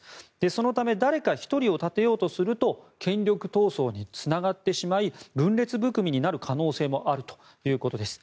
そのため誰か１人を立てようとすると権力闘争につながってしまい分裂含みになる可能性もあるということです。